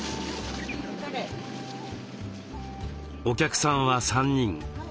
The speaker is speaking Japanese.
お客さんは３人。